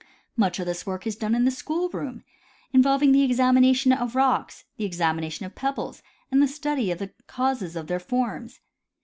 Much of this work is done in the school room, involving the examination of rocks, the examination of pebbles, and the study of the causes of their forms.